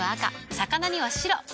魚には白。